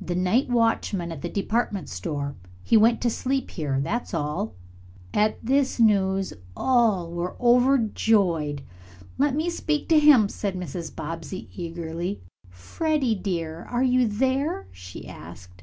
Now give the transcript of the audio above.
"The night watchman at the department store. He went to sleep here, that's all." At this news all were overjoyed. "Let me speak to him," said Mrs. Bobbsey eagerly. "Freddie dear, are you there?" she asked.